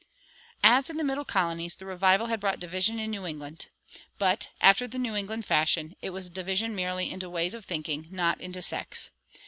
As in the middle colonies, the revival had brought division in New England. But, after the New England fashion, it was division merely into ways of thinking, not into sects.